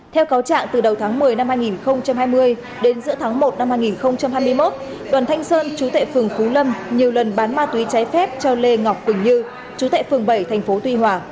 theo cáo trạng từ đầu tháng một mươi năm hai nghìn hai mươi đến giữa tháng một năm hai nghìn hai mươi một đoàn thanh sơn chú tệ phường phú lâm nhiều lần bán ma túy trái phép cho lê ngọc quỳnh như chú tại phường bảy thành phố tuy hòa